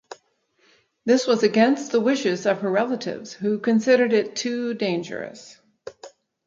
This was against the wishes of her relatives who considered it too dangerous.